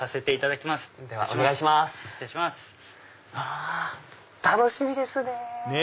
あ楽しみですね！